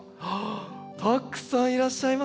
たくさんいらっしゃいますね！